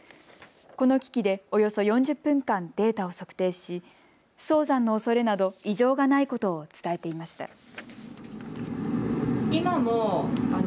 この機器でおよそ４０分間、データを測定し早産のおそれなど異常がないことを伝えていました。